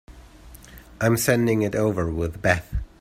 I'm sending it over with Beth.